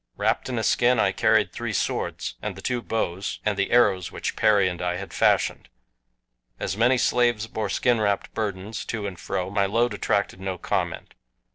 Wrapped in a skin I carried three swords, and the two bows, and the arrows which Perry and I had fashioned. As many slaves bore skin wrapped burdens to and fro my load attracted no comment.